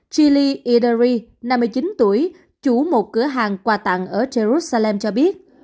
chili idari năm mươi chín tuổi chủ một cửa hàng quà tặng ở jerusalem cho biết